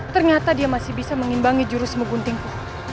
ternyata dia masih bisa mengimbangi jurusmu guntingku